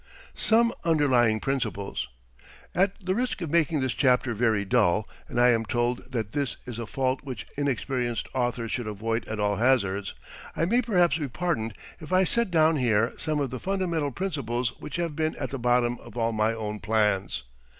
SOME UNDERLYING PRINCIPLES At the risk of making this chapter very dull, and I am told that this is a fault which inexperienced authors should avoid at all hazards, I may perhaps be pardoned if I set down here some of the fundamental principles which have been at the bottom of all my own plans.